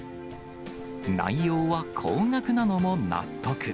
内容は高額なのも納得。